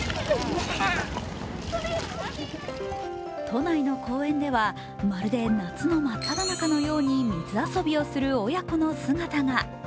都内の公園ではまるで夏の真っただ中のように水遊びをする親子の姿が。